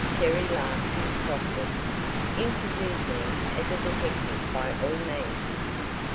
Terry laughed in prospect. "Introduce me as a detective by all means!"